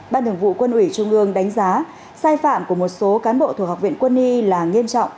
ban thường vụ quân ủy trung ương đánh giá sai phạm của một số cán bộ thuộc học viện quân y là nghiêm trọng